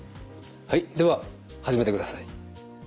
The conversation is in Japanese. はいでは始めてください。